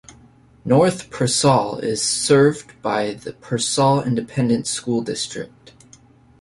North Pearsall is served by the Pearsall Independent School District.